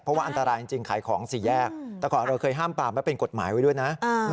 เพราะว่าอันตรายจริงขายของสี่แยกแต่ก่อนเราเคยห้ามปามและเป็นกฎหมายไว้ด้วยนะ